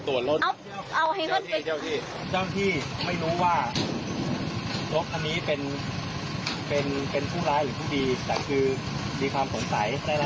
ต้ันเลยเหนือปืนมึงรู้หรอไม่ต้องถือปืน